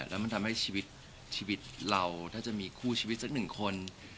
แล้วมันทำให้ชีวิตชีวิตเราถ้าจะมีคู่ชีวิตสักหนึ่งคน